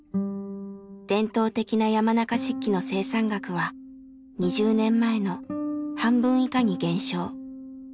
伝統的な山中漆器の生産額は２０年前の半分以下に減少。